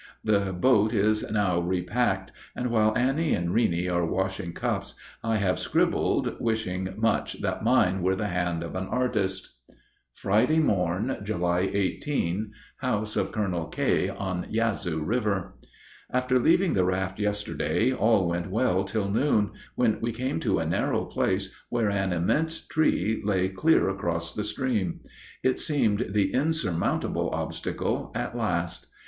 The boat is now repacked, and while Annie and Reeney are washing cups I have scribbled, wishing much that mine were the hand of an artist. Friday morn, July 18. (House of Colonel K., on Yazoo River.) After leaving the raft yesterday all went well till noon, when we came to a narrow place where an immense tree lay clear across the stream. It seemed the insurmountable obstacle at last.